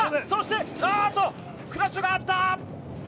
そして、クラッシュがあった！